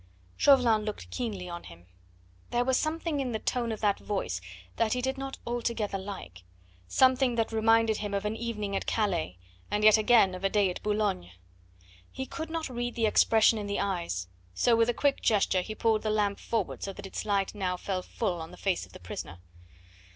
Chauvelin looked keenly on him. There was something in the tone of that voice that he did not altogether like something that reminded him of an evening at Calais, and yet again of a day at Boulogne. He could not read the expression in the eyes, so with a quick gesture he pulled the lamp forward so that its light now fell full on the face of the prisoner.